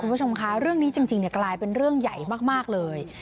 คุณผู้ชมคะเรื่องนี้จริงกลายเป็นเรื่องใหญ่มากเลย